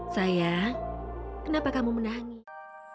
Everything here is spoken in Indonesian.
sayang kenapa kamu menangis